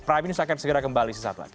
prime news akan segera kembali sesaat lagi